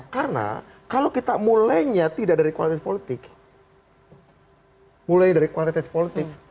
karena kalau kita mulainya tidak dari kualitatif politik mulainya dari kualitatif politik